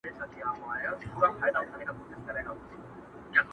o دنيا خپله لري، روی پر عالم لري٫